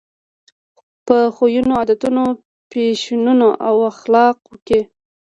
په خویونو، عادتونو، فیشنونو او اخلاقو کې.